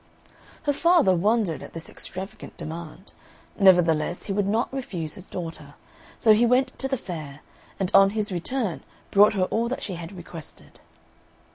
Her father wondered at this extravagant demand, nevertheless he would not refuse his daughter; so he went to the fair, and on his return brought her all that she had requested.